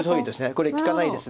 これ利かないです。